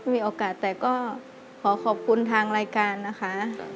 มีโอกาสแต่ก็ขอขอบคุณทางรายการนะคะ